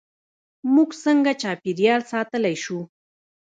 موږ څنګه چاپیریال ساتلی شو؟